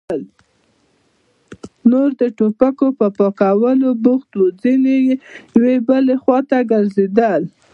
نور د ټوپکو په پاکولو بوخت وو، ځينې يوې بلې خواته ګرځېدل.